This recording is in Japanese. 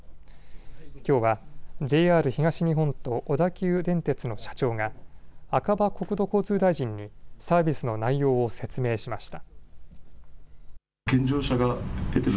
きょうはＪＲ東日本と小田急電鉄の社長が赤羽国土交通大臣にサービスの内容を説明しました。